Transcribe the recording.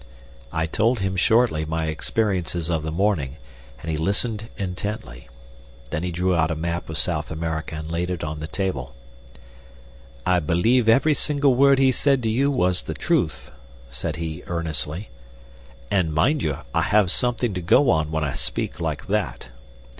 I told him shortly my experiences of the morning, and he listened intently. Then he drew out a map of South America and laid it on the table. "I believe every single word he said to you was the truth," said he, earnestly, "and, mind you, I have something to go on when I speak like that.